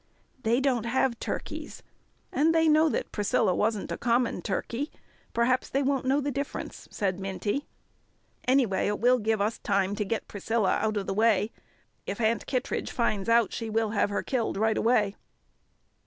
"They don't have turkeys, and they know that Priscilla wasn't a common turkey; perhaps they won't know the difference," said Minty. "Anyway, it will give us time to get Priscilla out of the way. If Aunt Kittredge finds out, she will have her killed right away."